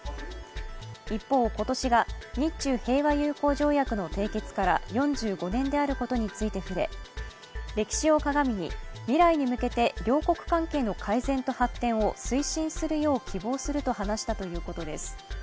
一方、今年が日中平和友好条約の締結から４５年であることについて触れ、歴史をかがみに未来に向けて両国関係の改善と発展を推進するよう希望すると話したということです